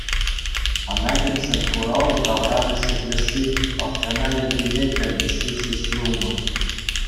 Ананьевсен хуралтӑ таврашӗ ҫӗклесси, пахчана йӗркене кӗртесси ҫеҫ юлнӑ.